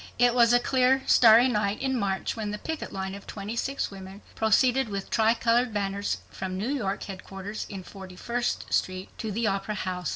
It was a clear starry night in March when the picket line of 26 women proceeded with tri colored banners from New York headquarters in Forty first street to the Opera House.